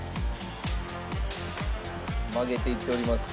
曲げていっております。